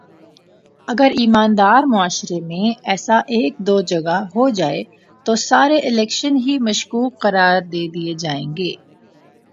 اگر ایماندار معاشرے میں ایسا ایک دو جگہ ہو جائے تو سارے الیکشن ہی مشکوک قرار دے دیئے جائیں گے